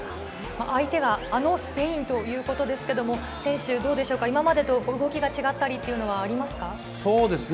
相手があのスペインということですけども、選手、どうでしょうか、今までと動きが違ったりっていうのはありますか。